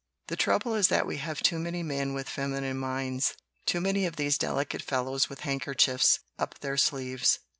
' 'The trouble is that we have too many men with feminine minds, too many of these delicate fellows with handkerchiefs up their sleeves.